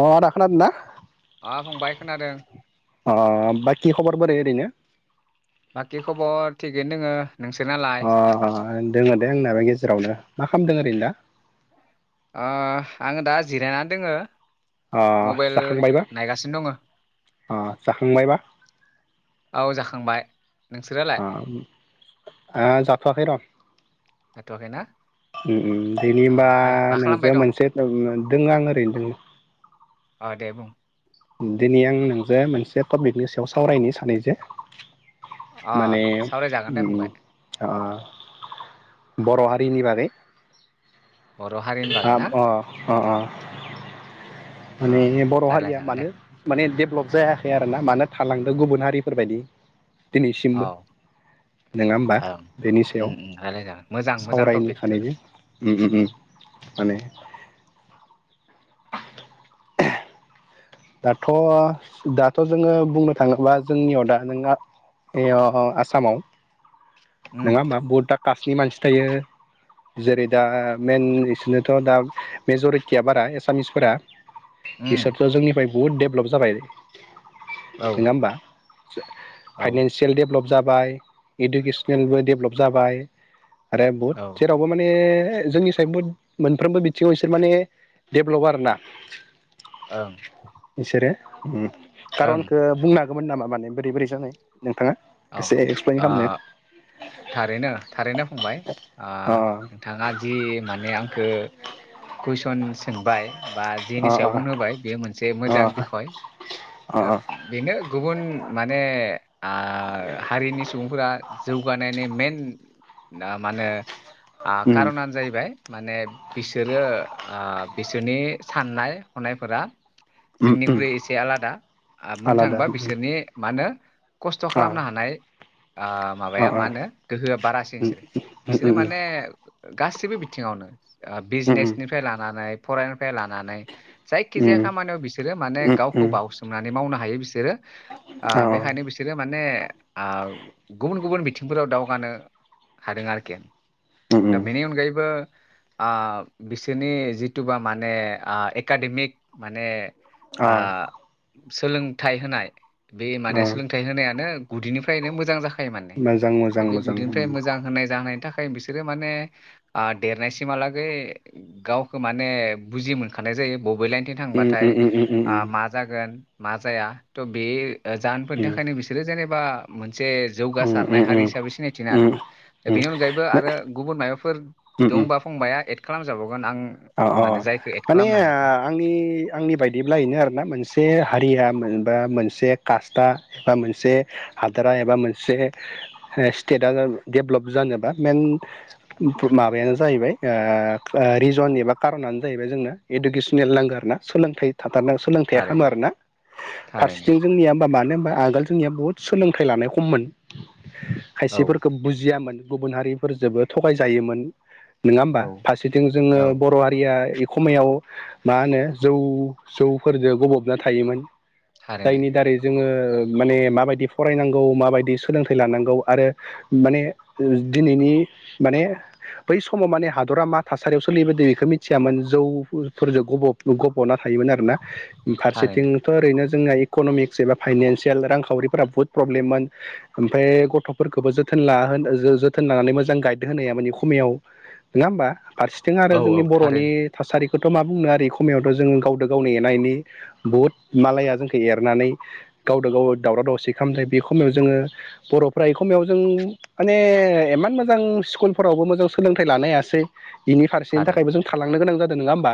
अ आदा खोना दोंना अ फंबाय खोनादों अ बाय खि खबर बोरै ओरैनो। बाखि खबर थिगैनो दोङो नोंसोरनालाय अ दोङो दे आंनियाबो गेजेरावनो मा खालामदों। गैला। ओ आङो दा जिरायनानै दोङो अह मबाइल जाखांबायबा नायगासिनो दङ अह जाखांबायबा। औ जाखांबाय नोंसोरालाय आम ओ जाख थवाखै र' हाथआखैना। उम उम बिनिबा खालामबाय नोंजों दं मोनसे दों आं ओरैनो दों ओ दे बुं। दिनै आं नोंजों मोनसे टपिकनि सायाव सावरायनो सानै जो। अ माने सावरायजागोन दे उम फंबाय आ बर' हारिनि बागै। बर' हारिनि ओ बागै ना अ अ अ। अ माने बर हारिया रायलायजागोन दे मानो माने डेभलप जायाखै आरो ना मानो थालांदों गुबुन हारिफोरबायदि। औ दिनैसिमबो नङा होमबा ओं बेनि सायाव उम उम रायलायजागोन मोजां मोजां सावरायनो टपिक जागोन सानैजों उम माने दाथ' दाथ' जोङो बुंनो थाङोबा जोंनियाव दा नों आसामाव उम नङा होमा बुहुदा कास्टनि मानसि थायो जेरै दा मेन इसोरनोथ' दा मेजरिटिया बारा एसामिसफोरा। उम बिसोरथ' जोंनिबायद बुहुद दडेभलप जाबाय। औ नङा हबा औ फाइनानसियेल डेभलप जाबाय एडकेस खेनबो डेभलप जाबाय। आरो बहुद जेरावबो माने ए जोंनि साय बुहुद मोनफ्रोमबो बिथिङाव इसोर माने डेभलप आरोना ओं इसोरो उम ओं खारनखौ बुंनो हांगोमोन नामा? माने बोरै बोरै जानाय? नोंथाङा औ एसे एक्सप्लइेन ओ खालामनो थारैनो थारैनो फंबाय ओ अ नोंथाङा जि माने आंखो कुइसन सोंनाय बा अ जेनि सायाव अ बुंनो होबाय बेयो मोनसे मोजां अ बिखय अ दा अ बेनो गुबुन माने आ ओ हारिनि सुबुंफोरा जौगानायनि मेन ना मा होनो उम खार'नानो जाहैबाय माने बिसोरो ओ बिसोरनि साननाय हनायफोरा उम उम जोंनिख्रुइ एसे आलादा बुंनो आलादा थाङोबा बिसोरनि मा होनो खस्थ' अ खालामनो हानाय ओ अ माबाया अ मा होनो गोहोआ बारासिन उम बिसोरो बिसोरो उम माने गासिबो बिथिङावनो बिजनेसनिफ्राय लानानै फराय लानानै जायखि उम जाया खामानियाव बिसोरो माने उम गावखौ उम बावउसोमनानै मावनो। हायो बिसोरो। ओ अ बेखायनो बिसोरो माने ओ गुबुन गुबुन बिथिंफोराव दावगानो हादों आरोखि। उम दा उम बेनि अनगयैबो। ओ बिसोनि जिथ बा माने एकाडेमिक माने अ आ। सोलोंथाइ होनाय। बे अ माने सोलोंथा। होनायानो गुदिनिफ्रायनो मोजां जाखा फाथो माने मोजां मोजां दा बे मोजां उम गुदैनिफ्राय मोजां होनाय जाहोनायनि थाखाय। बिसोरो माने ओ देरनायसिमहालागै गावखौ माने बुजि मोनखानाय जायो। बबे लाइनथिं उम उम उम उम उम थांनायानो मा जागोन। मा जाया थ' बे जानो मोन थाखाय उम [unintelligible] बे जेनेबा मोन बे उम जौगासारनाय हारि उम हिसाबै सिनायथिनो उम हादों ओ उम बेनि अनगायैबो आरो उम गुबुन माबाफोर उम दंबा फंबाया? खालामजाबावौ अ अ माने ओ हायाखै आंनि आंनि बायदिब्ला इनो आरोना मोनसे हारिया ओ मोनसे खासथा बा मोनसे हादोरा एबा मोनसे ओ सिथेदा देबॣंक जानोबा मेन माबायो जाहैबाय ओ रिजन कारनानो जाहैबाय जोंनो इडुकेसनेल नांगौ आर ना सोलोंथाइ। थाथारनो सोलोंथाइया खालामो थारैनो आरोना थारैनो फारसेथिं जोंनिया मानो होनबा आगोल जोंनिया बुहुत सोलोंथाइ लानाया खममोन। औ खायसेफोरखौ बुजियामोन। गुबुन हारिफोरजोंबो थगायजायोमोन। नङा होमबा? औ फारसेथिं जोङो औ बर' हारिया एखमायाव मा होनो जौ जौफोरजों गबबना थायोमोन। थारैनो जायनि दारै जोङो माने माबायदि फरायनांगौ माबायदि सोलोंथाइ लानांगौ आरो माने दिनैनि माने बै समाव माने हादरा मा थासारियाव सोलिबोदों। मिथियामोन जौफोरजों गब गब'नानै थायोमोन आरोना थारैनो फारसेथिंथ' ओरैनो जोंना इकनमिक्स एबा फाइनानसियेल रांखावरिफोरा बुहुत प्रब्लेममोन ओमफ्राय गथफोरखौबो जोथोनला जो-थोन लानानै मोजां गाइद होना या माने खमयाव नङा होमबा? फारसेथिं आरो औ जोंनि औ बरनि थारैनो थासारिखौ। खौथ मा बुंनो आरो एखमयावथ जोङो गावद गावनि एनानायनि बुहुत मालाया जोंखौ एरनानै गावदो गाव दावराव दावसि खालामनाय बेखमयाव जोङो बरफ्रा एखमायाव जों माने इमान मोजां स्कुलफोरावबो मोजां सोलोंथाइ लानो हायासै इनि। बेनि थारैनो थाखायबो जों थालांनो गोनां जाद। नङा होमबा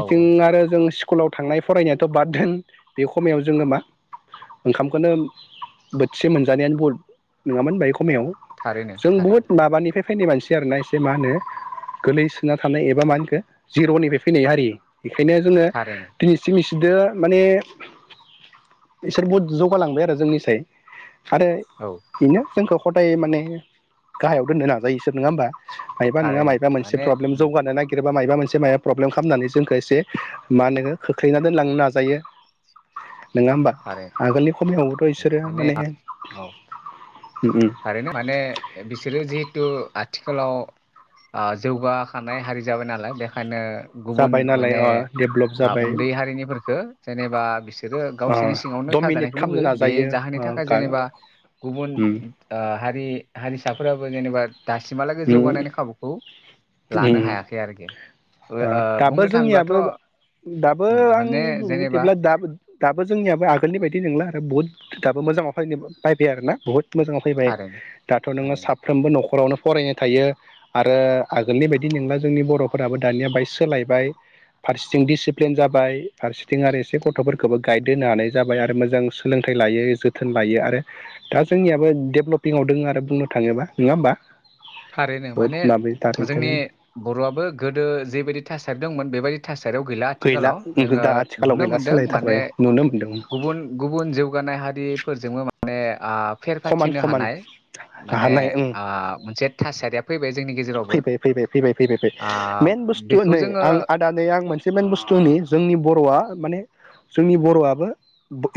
औ औ आरो जों। कुलाव थांनाय फरायनायाथ बाद दोन बे खमायाव जोङो मा ओंखामखौनो बोथिसे मोनजानायानो बुल नङामोन होन। खमायाव थारैनो जों बुहुद थारैनो माबानिफाय फानाय मानसि आरोना एसे मा होनो गोलै। ना थानाय एबा मा होनखो जिरनिफाय फैनाय हारि। बेखायनो जोङो थारैनो दिनैसिम। बिदो माने बिसोर बहुद जौगालांबाय आरो जोंनिसाय। आरे औ बेनो जोंखौ गथाय माने गाहायाव दोननो नाजायोसोर नङा होमबा। मायबा नङा थारैनो मायबा मोनसे माने उम जौगानो नागि। माबा मोनसे मा प्रब्लेम खालामनानै जोंखौ एसे माहोनो खोख्लैना दोनलांनो नाजायो। नङा होमबा थारैनो आगोलनि खमायाव। माने औ उम उम थारैनो माने बिसोरो जिहेथु। आथिखालाव ओ जौगाखानाय हारि जाबाय नालाय बेखायनो। गुबुन जाबाय नालाय माने अ डेभलप जाबाय आ-उन्दै हारिनिखो जेनेबा बिसोरो अ गावसोरनि सिङावनो डमिनेट थाजानायखौ खालामनो लुबैयो। बे नाजायो जाहोननि अ थाखाय गा जेनेबा गुबुन उम ओ हारि हारिसाफोर। बाबो जेनोबा उम लानो उम हायाखै आरोखि ओ- दाबो बुंनो थाङोब्लाथ' जोंनियाबो दाबो उम माने जेनेबा [unintelligible] दाबो जोंनियाबो आगोलनि बादि नोंला बुथ। दाबो मोजाङाव फैनो फैबाय बायबाय आरोना बहुद। मोजाङाव फैबाय थारैनो दाथ नोङो थारैनो साफ्रोमबो नखरावनो। फरायनो थायो आरो आगोलनि बायदि नंला जोंनि बरफोराबो दानिया बाहाय सोलायबाय फारसेथिं दिडिसिप्लिन जाबाय फारसेथिं आरो एसे गथफोरखौबो गाइद होनो हानाय जाबाय आरो मोजां सोलोंथाइ लायो जोथोन लायो आरो दा जोंनियाबो डेभ्लपिंआव दोङो आरो बुंनो थाङोबा नङा होमबा। थारैनो बहुद माने माबायो जोंनि थारैनो बरआबो गोदो जेबायदि थासारि दंमोन। बेबायदि थास गैला आथिखालाव जोङो दा आथिखालाव नुनो गैला मोनदों माने सोलायथारबाय नुनो मोनदों गुबुन गुबुन जौगानाय हारिफोरजोंबो। ने आफ फेर खमान फाथिनो खमान हानाय माने हानाय ओं आ- मोनसे। [unintelligible] [unintelligible] माने ओ बेखौ जोङो जोंनि बर'आबो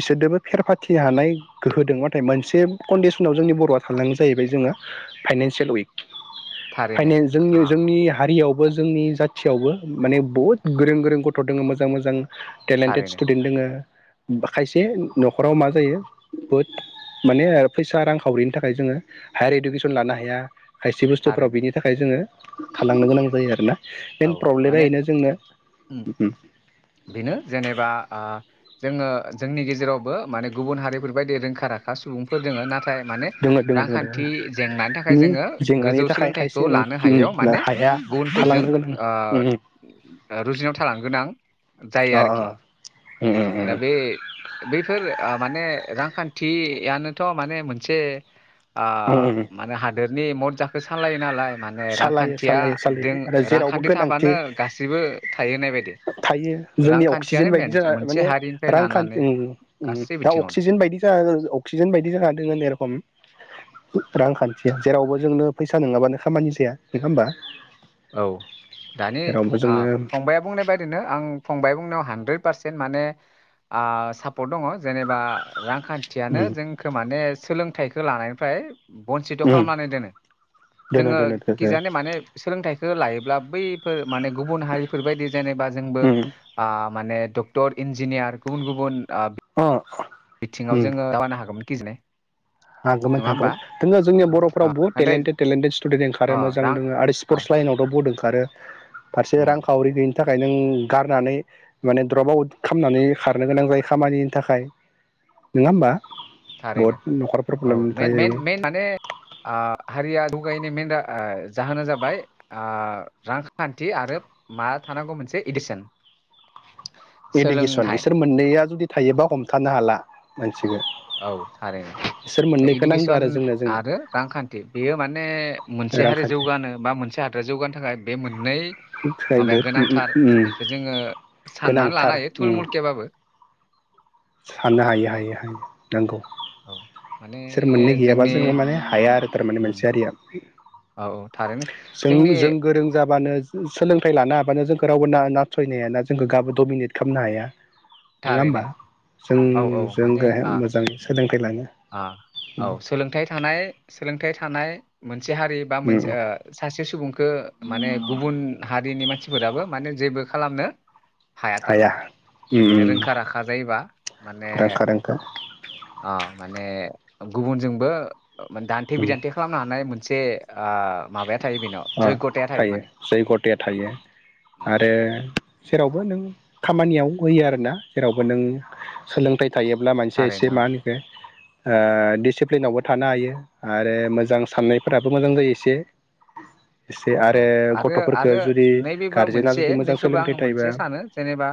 इसोरजोंबो फेर फाथि हानाय गोहो दं नाथाय मोनसे कन्डिसनाव जोंनि बर'आ थांलांगौ जाहैबाय जोङो फाइनानसियेल उइक थारैनो फाइनेन्स जोंनि आ जोंनि हारियाव जोंनि जाथियावबो माने बहुत गोरों गोरों गथ' दङ मोजां मोजां टेलेन्टेड थारैनो स्टुडेन्ट दोङो खायसे न'खराव मा जायो बहुद माने फैसा रांखावरिनि थाखाय जोङो हायार इडुकेसन लानो हाया खायसे बुस्थुफोराव थारैनो बेनि जोङो थालांनो गोनां जायो आरोना मेन औ प्रब्लेमा माने बेनो जोंनो उम बेनो जेनेबा ओ जोङो जोंनि गेजेरावबो माने गुबुन हारिफोरबायायदि रोंखा राखा सुबुंफोर दोङो नाथा य माने दोङो दोङो दोङो रांखान्थि जेंनानि थाखाय नि जोङो जेंनानि गोजौ थाखाय सोलोंथाइखौ खायसे उम लानो हायैयाव उम माने हाया गुबुनफोरजों थालांनो गोनां ओ उम रुजुुनाव थालां गोनां जायो अ आरोखि उम उम दा बे बैफोर माने रां खान्थियानोथ' माने मोनसे आ उम उम उम माने हान गदेरनि मदजा खो सालायो नालाय माने सालायो रांखान्थिया सालायो दों सालायो आरो रां जेरावबो गोनांथि थाबानो गासिबो थायोनो थायो जोंनि अक्सिजेन बायदि जाना मोनसे माने हारिनिफ्राय रांखान लानानै औ औ गासै दा बिथिङावनो अक्सिजेन बायदि जाना अक्सिजेन बायदि जाना दोङो जेरखम रांखान्थिया जेरावबो जोंनो फैसा नङाबानो खामानि जाया नङा होमबा औ दानि जेरावबो ओ जोंनो फंबाया बुंनाय बायदि नो आं फंबाय बुंनायाव हानद्रेद पार्सेट माने ओ सापर्ट दङ जेनेबा रां खान्थियनो उम जोंखौ माने सोलों थाइखो लानायनिफ्राय बनसिथ' उम खालामनानै दोनो दोनो जोङो दोनो दोनो खिजाने माने सोलोंथाइ खो लायोब्ला बैफोर माने गुबुन हारिफोर बायदि जेनेबा जोंबो उम माने डक्टर इन्जि जिनियार गुबुन गुबुन ओ अ बिथिङाव जोङो दावगानो हा हागौमोन खिजा ने हागोमोन हागोमोन दोङो जोंनि बर' अ बहुत नाथाय टेलेन्टेड टेलेन्टेड स्टुडेन्ट ओंखारो अ मोजां रां दङ आरो अ स्पर्टस लाइनावथ' बहुत ओं आरो फारसे उम रां खावरि थिं थाखाय नों गारनानै माने द्रप आउट खालामनानै खारनो गोनां जायो खामानिनि थाखाय नोङा होमबा? थारैनो बहुत न'खर औ मेन मेन मेन माने ओ हारिया दुगायनि मेन ओ जाहोना जाबाय ओ रांखान्थि आरो मा थानांगौ मोनसे एदिसन इडुकेसन इसोर मोननैया जुदि थायोबा हमथानो हाला मानसिखौ औ थारैनो इसोर दा मोननैखौ नांगौ आरो इडुकेसन जोंनो जोंनो आरो रांखान्थि बेयो माने मोनसे हारि रांखान्थि जौगानो बा मोनसे हादरा जौगानो थाखाय बे मोननै माबाया गोनांथार बहुद बेखौ जोङो साननानै गोनांथार लानो हायो थुलमुलकेबाबो साननो हायो हायो हायो नोंगौ औ माने बिसोर मोननै गैयाबा जोंनि जोङो माने हाया आरो थारमाने उम मोनसे हारिया औ औ थारैनो [unintelligible] जों जोंनि जों गोरों जाबानो सोलोंथाइ लानो हाबानो जोंखौ रावबो ना नाथयनो हायाना जोंखौ गाबो डमिनेट खामनो हाया। नोङा थारैनो होमबा जों औ जों [unintelligible] मोजां सोलों [unintelligible] अ औ सोलोंथ थानाय सोलोंथानाय थानाय मोन से मोन सासे सुबुंखो माने गुबुन हारिनि मान सिफोराबो माने जेबो खालामनो हाया थारमाने रोंखा राखा जायोबा माने रोंखा रोंखा अ ए गुबुनजोंबो दान्थे बिदान्थे खालामनो हानाय मोनसे ओ माबाया थायो बेनाव जयगथाया थायो माने जै गथाया थायो आरो जेरावबो नों खामानियाव होयो आरोना जेरावबो नों सोलोंथाइ थायोब्ला मानसिया एसे थारैनो मा होनखो ओ दिडिसिप्लिनावबो थानो हायो आरो मोजां साननायफोराबो मोजां जायो एसे एसे औ आरो आरो गथ'फोरखो आरो जुदि नैबेबो गारजेना मोनसे जुदि मोजां नैखौबो आं सोलोंथाइ थायोबा मोनसे सानो जेनेबा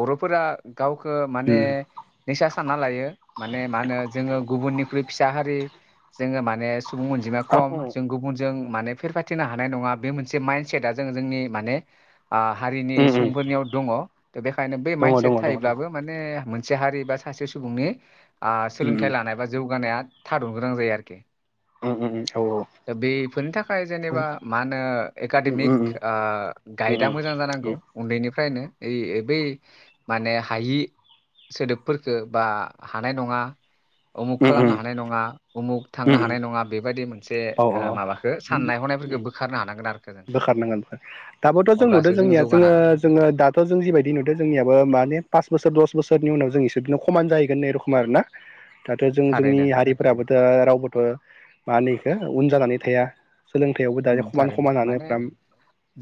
बर'फोरा गावखो माने उम नैसा सानना लायो माने मा होनो जोङो फुख्रि फिसा हारि जोङो माने सुबुं अनजिमाया औ खम जों गुबुनजों माने फेराथिनो ह हानाय नङा बे मोनसे माइन्दसेटआ जों जोंनि माने हारिनि उम उम सुबुंफोरनियाव दङ बेखायनो बै दङ माइनसिया दङ दङ थायोब्लाबो मानेसे मोनसे हारि बा सासे सुबुंनि ओ सोलोंथाइ लानाय बा जौगानाया थादनो गोनां जायो आरोखि उम औ उम दा बेफोरनि थाखाय जेनेबा मा होनो एकाडेमिक गाइदआ मोजां जानांगौ उन्दैनिफ्रायनो इ बै माने हायि सोदोबफोरफोरखौ बा हानाय नङा उमुख खालामनो हानाय नङा उमुख थांनो हानाय नङा बेबायदि मोन मोन माबाखौ साननाय हनायफोरखौ हानांगोन आरोखो जों बोखारनांगोनखार दाबोथ' जों नुदो अब्लासो जोंनिया जौगानो जोङो हागोन जोङो दाथ' जों जिबायदि नुददों जोंनियाबो माने पास बोसोर दस बोसोर बेनि उनाव जों इसोरजोंनो खमान जाहैगोन ने रखम आर ना दाथ' जों जोंनि थारैनो हारिफोराबोथ' रावबोथ' मानैै उन जानानै थाया सोलोंथायाइयावबो दायो ओम खमान थारैनो खमानानो माने फ्राम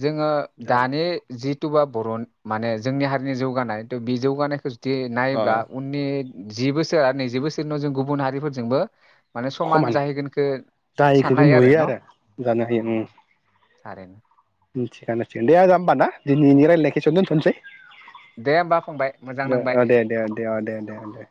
जोङो दा दानि जितुबा बर' माने जोंनि हारिनि जौगानाय थ' बे जौगानायखौ दि अ नायोब्ला उननि जि बोसोर आरो नैजि बोसोरनि उनाव जों गुबुन हारिफोरजोंबो माने समान खमान जाहैगोनखौ जायखौ साननो जों हायो आरो नुयो न उम [inaudible] [unintelligible] थिगानो थिगानो आजा होमबा ना दिनैनि रायलायनायखौ एसेयावनो दोनथ'नोसै दे होमबा फंबाय मोजां दे नांबाय ओ दे दे दे अ दे दे दे